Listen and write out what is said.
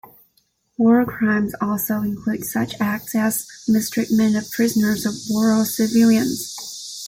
War crimes also include such acts as mistreatment of prisoners of war or civilians.